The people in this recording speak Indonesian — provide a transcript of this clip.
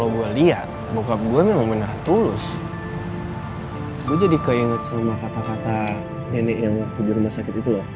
gue jadi keinget sama kata kata nenek yang waktu di rumah sakit itu loh